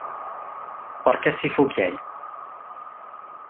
Berkat tifukal!